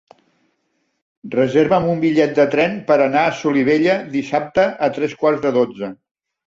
Reserva'm un bitllet de tren per anar a Solivella dissabte a tres quarts de dotze.